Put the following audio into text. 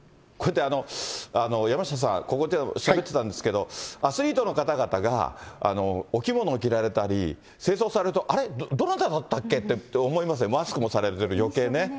山下さん、ここでしゃべってたんですけれども、アスリートの方々が、お着物を着られたり、正装されると、あれ、どなただったっけって思いますね、マスクもされてると、よけいね。